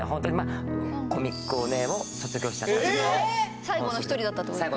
はいあの・最後の１人だったってことですか